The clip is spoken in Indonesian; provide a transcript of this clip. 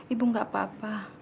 ibu gak apa apa